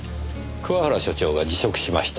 桑原所長が辞職しました。